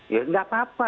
ya enggak apa apa